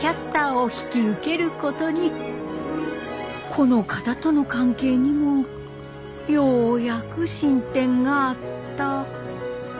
この方との関係にもようやく進展があったみたい？